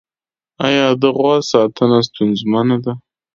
آیا د غوا ساتنه ستونزمنه ده؟